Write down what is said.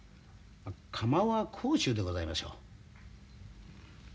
窯は広州でございましょう。